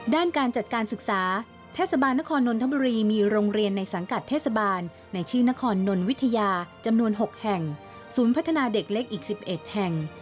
ด้านการจัดการศึกษาเทศบาลนครนนทบุรีมีโรงเรียนในสังกัดเทศบาลในชื่อนครนนวิทยาจำนวน๖แห่งศูนย์พัฒนาเด็กเล็กอีก๑๑แห่ง